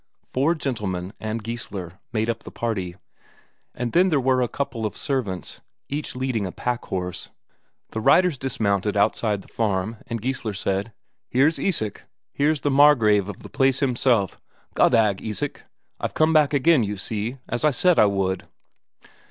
Four gentlemen and Geissler made up the party, and then there were a couple of servants each leading a packhorse. The riders dismounted outside the farm, and Geissler said: "Here's Isak here's the Margrave of the place himself. Goddag, Isak! I've come back again, you see, as I said I would."